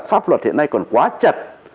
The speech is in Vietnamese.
pháp luật hiện nay còn quá chật